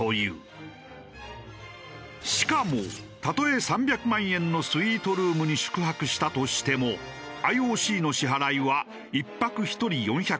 しかもたとえ３００万円のスイートルームに宿泊したとしてもＩＯＣの支払いは１泊１人４００ドル